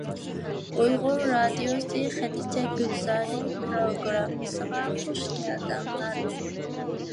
ئۇيغۇر رادىيوسى «خەدىچە گۈلزارى» پىروگراممىسىغا خۇش كەلدىڭلار!